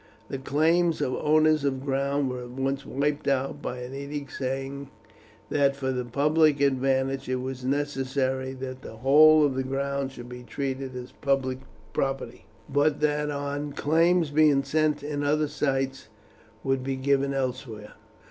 The claims of owners of ground were at once wiped out by an edict saying, that for the public advantage it was necessary that the whole of the ground should be treated as public property, but that on claims being sent in other sites would be given elsewhere.